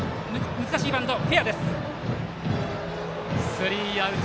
スリーアウト！